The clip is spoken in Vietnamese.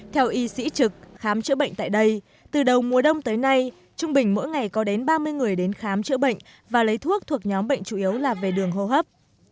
theo y sĩ trực khám chữa bệnh tại đây từ đầu mùa đông tới nay trung bình mỗi ngày có đến ba mươi người đến khám chữa bệnh và lấy thuốc thuộc nhóm bệnh chủ yếu là về đường hô hấp